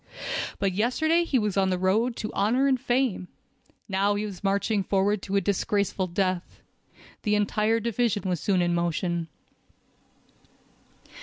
But yesterday he was on the road to honor and fame; now he was marching forward to a disgraceful death. The entire division was soon in motion.